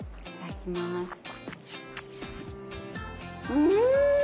うん！